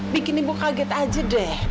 bikin ibu kaget aja deh